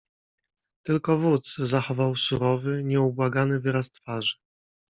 "Tylko wódz zachował surowy, nieubłagany wyraz twarzy."